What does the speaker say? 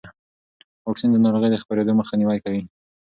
واکسن د ناروغۍ د خپرېدو مخنیوی کوي.